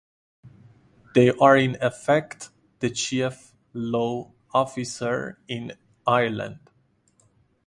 They are in effect the chief law officer in Ireland.